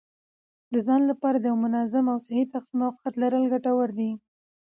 د ځان لپاره د یو منظم او صحي تقسیم اوقات لرل ګټور دي.